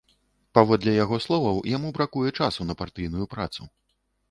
Паводле яго словаў, яму бракуе часу на партыйную працу.